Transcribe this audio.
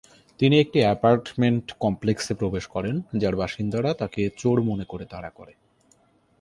তিনি একটি অ্যাপার্টমেন্ট কমপ্লেক্সে প্রবেশ করেন, যার বাসিন্দারা তাকে চোর মনে করে তাড়া করে।